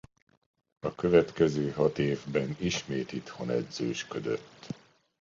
A következő hat évben ismét itthon edzősködött.